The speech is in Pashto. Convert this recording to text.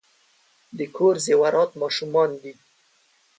د کور زیورات ماشومان دي .